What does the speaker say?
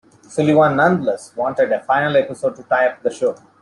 Sullivan nonetheless wanted a final episode to tie up the show.